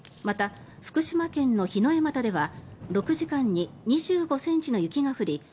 また、福島県の桧枝岐では６時間に２５ｃｍの雪が降り